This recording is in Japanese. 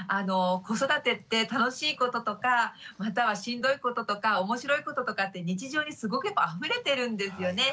子育てって楽しいこととかまたはしんどいこととか面白いこととかって日常にすごくあふれてるんですよね。